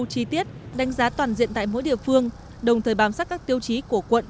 chi tiết đánh giá toàn diện tại mỗi địa phương đồng thời bám sát các tiêu chí của quận